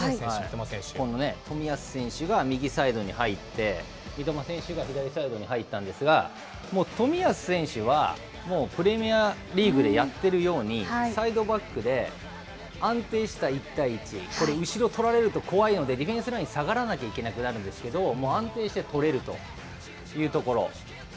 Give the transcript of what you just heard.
この冨安選手が右サイドに入って、三笘選手が左サイドに入ったんですが、もう冨安選手は、もうプレミアリーグでやってるように、サイドバックで安定した１対１、これ、後ろ取られると怖いので、ディフェンスライン下がらなきゃいけなくなるんですけれども、もう安定してとれるというところ。